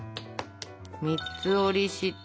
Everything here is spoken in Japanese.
三つ折りして。